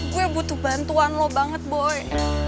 gue butuh bantuan lo banget boy